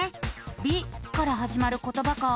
「び」からはじまることばか。